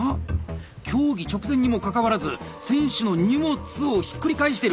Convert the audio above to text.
競技直前にもかかわらず選手の荷物をひっくり返してる。